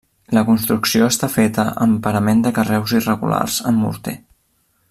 La construcció està feta amb parament de carreus irregulars amb morter.